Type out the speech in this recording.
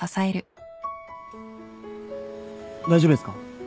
大丈夫ですか？